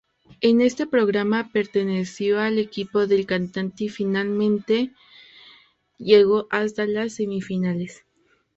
En este programa perteneció al equipo del cantante y finalmente llegó hasta las semifinales.